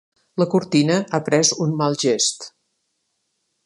La cortina ha pres un mal gest.